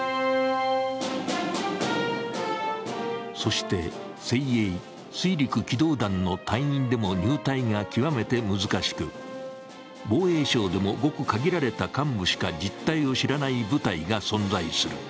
そして、精鋭・水陸機動団の隊員でも入隊が極めて難しく、防衛省でもごく限られた幹部しか実態を知らない部隊が存在する。